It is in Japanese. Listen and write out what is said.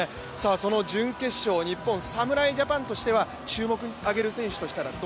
その準決勝、日本、侍ジャパンとしては注目に挙げる選手は？